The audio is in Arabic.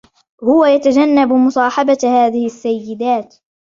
هو يتجنب مصاحبة هذه السيدات.